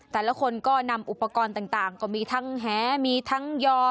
แต่ละคนก็นำอุปกรณ์ต่างก็มีทั้งแหมีทั้งยอ